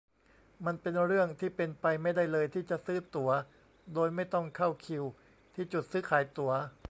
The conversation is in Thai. มันเป็นเรื่องที่เป็นไปไม่ได้เลยที่จะซื้อตั๋วโดยไม่ต้องเข้าคิวที่จุดซื้อขายตั๋ว